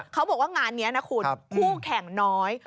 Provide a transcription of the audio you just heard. เขาบอกว่างานนี้นะคุณคู่แข่งน้อย